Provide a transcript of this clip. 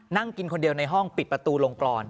นั่งกินคนเดียวในห้องปิดประตูลงกรอน